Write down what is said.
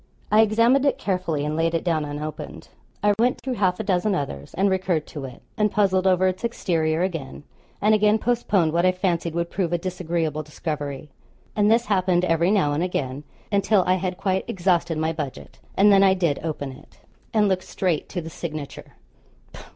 I examined it carefully, and laid it down unopened. I went through half a dozen others, and recurred to it, and puzzled over its exterior again, and again postponed what I fancied would prove a disagreeable discovery; and this happened every now and again, until I had quite exhausted my budget, and then I did open it, and looked straight to the signature.